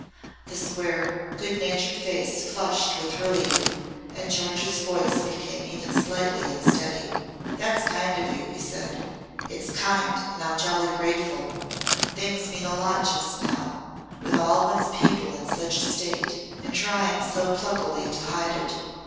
The square, good natured face flushed with relief, and George's voice became even slightly unsteady. "That's kind of you," he said, "it's kind and I'm jolly grateful. Things mean a lot just now with all one's people in such a state and trying so pluckily to hide it.